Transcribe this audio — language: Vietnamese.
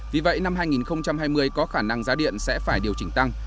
vì vậy năm hai nghìn hai mươi có khả năng giá điện sẽ phải điều chỉnh tăng